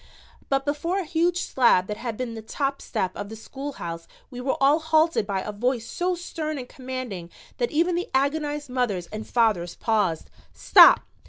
But before a huge slab that had been the top step of the schoolhouse we were all halted by a voice so stern and commanding that even the agonized mothers and fathers paused. "Stop!